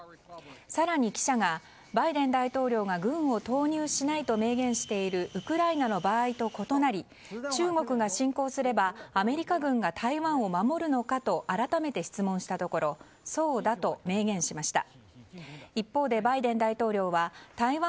更に記者がバイデン大統領が軍を投入しないと明言しているウクライナの場合と異なり中国が侵攻すればアメリカ軍が台湾を守るのかと改めて質問したところそうだと明言しました。